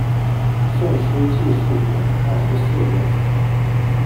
宋诗纪事卷二十四有载。